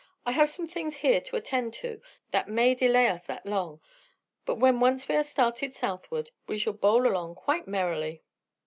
I have some things here to attend to that may delay us that long. But when once we are started southward we shall bowl along right merrily."